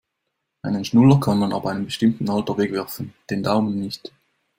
Einen Schnuller kann man ab einem bestimmten Alter wegwerfen, den Daumen nicht.